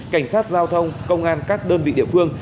cảnh sát giao thông công an các đơn vị địa phương